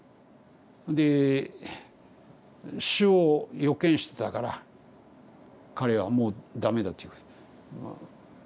で死を予見してたから彼はもう駄目だっていう。